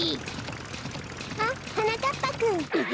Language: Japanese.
あっはなかっぱくん。